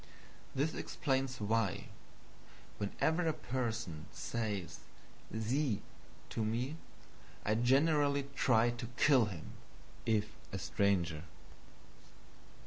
This explains why, whenever a person says SIE to me, I generally try to kill him, if a stranger.